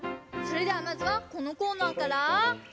それではまずはこのコーナーから。